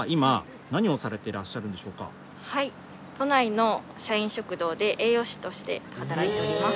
都内の社員食堂で栄養士として働いております。